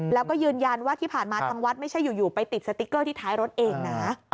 แล้วก็ยืนยันว่าที่ผ่านมาทางวัดไม่ใช่อยู่ไปติดสติ๊กเกอร์ที่ท้ายรถเองนะ